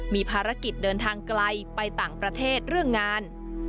มีภารกิจเดินทางไกลไปต่างประเทศเรื่องงาน